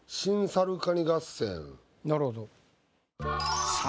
なるほど。